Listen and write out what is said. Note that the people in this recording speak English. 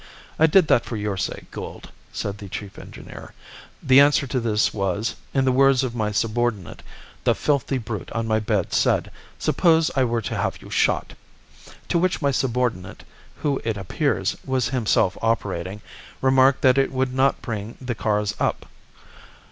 I did that for your sake, Gould,' said the chief engineer. 'The answer to this was, in the words of my subordinate, "The filthy brute on my bed said, 'Suppose I were to have you shot?'" To which my subordinate, who, it appears, was himself operating, remarked that it would not bring the cars up.